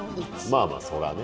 まあまあそれはね。